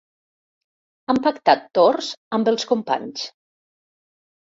Han pactat torns amb els companys.